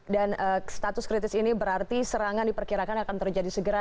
dan status kritis ini berarti serangan diperkirakan akan terjadi segera